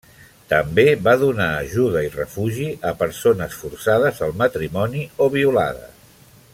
També va donar ajuda i refugi a persones forçades al matrimoni o violades.